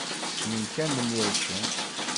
Ssnen Kamel Ircen?